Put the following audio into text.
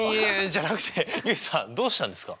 じゃなくて結衣さんどうしたんですか？